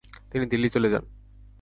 তিনি দিল্লি চলে যান।